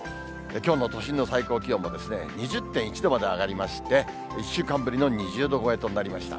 きょうの都心の最高気温も２０．１度まで上がりまして、１週間ぶりの２０度超えとなりました。